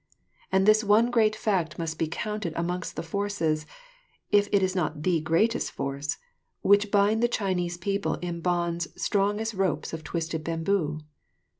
And this one great fact must be counted amongst the forces, if it is not the greatest force, which bind the Chinese people in bonds strong as ropes of twisted bamboo.